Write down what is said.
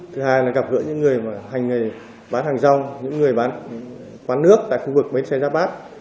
thứ hai là gặp gỡ những người hành nghề bán hàng rong những người bán quán nước tại khu vực bến xe giáp bát